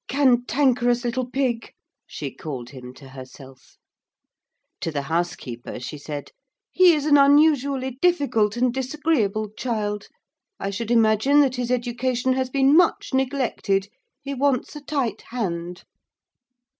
'Cantankerous little pig,' she called him to herself. To the housekeeper she said, 'He is an unusually difficult and disagreeable child. I should imagine that his education has been much neglected. He wants a tight hand.'